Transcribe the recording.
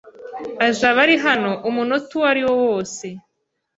azaba ari hano umunota uwariwo wose.